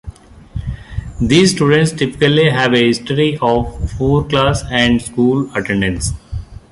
These students typically have a history of poor class and school attendance.